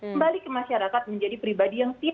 kembali ke masyarakat menjadi pribadi yang siap